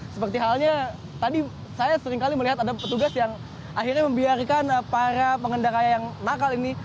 seperti halnya tadi saya seringkali melihat ada petugas yang akhirnya membiarkan para pengendara yang nakal ini